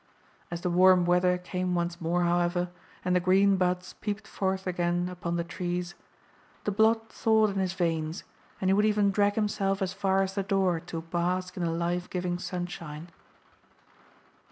As the warm weather came once more, however, and the green buds peeped forth again upon the trees, the blood thawed in his veins, and he would even drag himself as far as the door to bask in the life giving sunshine.